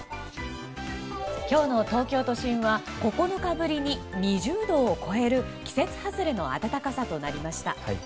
今日の東京都心は９日ぶりに２０度を超える季節外れの暖かさとなりました。